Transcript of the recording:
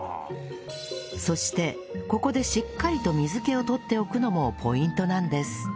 そしてここでしっかりと水気を取っておくのもポイントなんです